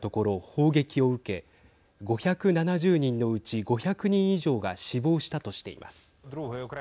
砲撃を受け５７０人のうち５００人以上が死亡したとしています。